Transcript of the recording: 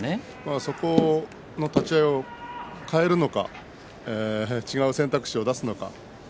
その立ち合いを変えるのか違う選択肢にするのか。